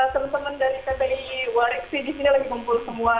teman teman dari ppi warwick sih disini lagi kumpul semua